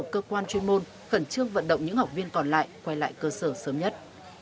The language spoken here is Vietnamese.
cơ quan chuyên môn khẩn trương vận động những học viên còn lại quay lại cơ sở sớm nhất